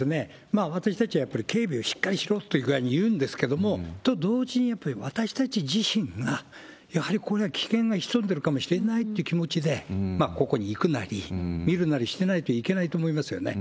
私たちはやっぱり警備をしっかりしろという具合に言うんですけれども、と同時に、やっぱり私たち自身が、やはりこれは危険が潜んでるかもしれないという気持ちで、ここに行くなり、見るなりしないといけないと思いますよね。